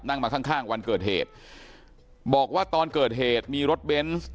มาข้างข้างวันเกิดเหตุบอกว่าตอนเกิดเหตุมีรถเบนส์